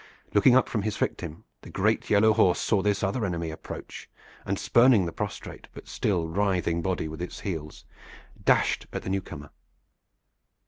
Looking up from his victim, the great yellow horse saw this other enemy approach, and spurning the prostrate, but still writhing body with its heels, dashed at the newcomer.